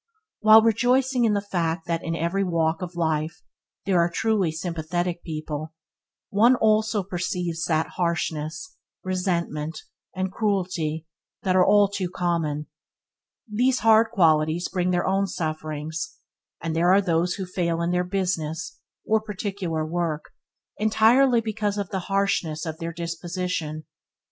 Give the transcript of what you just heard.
While rejoicing in the fact that in every walk in life there are truly sympathetic people, one also perceives that harshness, resentment, and cruelty are all too common. These hard qualities bring their own sufferings, and there are those who fail in their business, or particular work, entirely because of the harshness of their disposition.